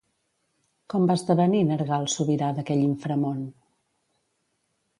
Com va esdevenir Nergal sobirà d'aquell inframon?